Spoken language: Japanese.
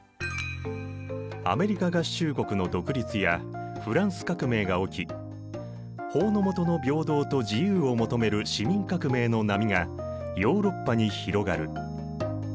アメリカ合衆国の独立やフランス革命が起き法の下の平等と自由を求める市民革命の波がヨーロッパに広がる。